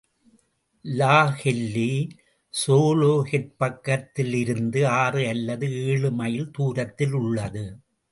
லாகெல்லி, ஸோலோஹெட்பக்கிலிருந்து ஆறு அல்லது ஏழுமைல் துரத்திலுள்ளது.